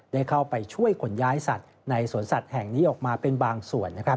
ได้เข้าไปช่วยขนย้ายสัตว์ในสวนสัตว์แห่งนี้ออกมาเป็นบางส่วน